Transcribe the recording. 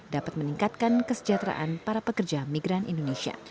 dapat meningkatkan kesejahteraan para pekerja migran indonesia